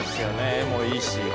絵もいいし」